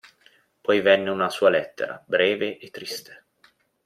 Poi venne una sua lettera breve e triste.